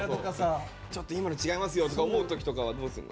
「ちょっと今の違いますよ」とか思う時とかはどうすんの？